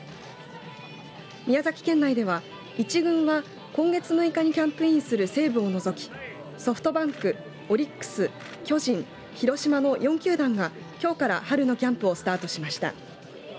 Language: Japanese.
宮崎県内では１軍は今月６日にキャンプインする西武を除きソフトバンク、オリックス巨人、広島の４球団がきょうから春のキャンプをスタートしました。